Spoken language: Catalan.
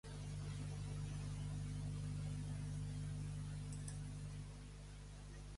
La llengua escrita ha de ser una "koiné".